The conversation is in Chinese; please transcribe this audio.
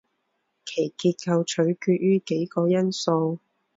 其结构取决于几个因素。